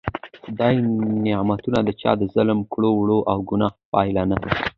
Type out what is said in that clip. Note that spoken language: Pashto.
د خدای نعمتونه د چا د ظلم کړو وړو او ګناه پایله نده.